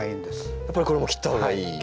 やっぱりこれも切った方がいいんですね。